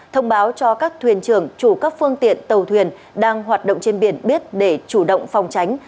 thông báo cho các thuyền trưởng chủ các phương tiện tàu thuyền đang hoạt động trên biển biết để chủ động phòng tránh